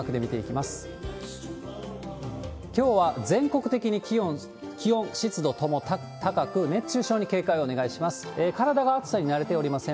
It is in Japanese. きょうは全国的に気温、湿度とも高く、熱中症に警戒をお願いします。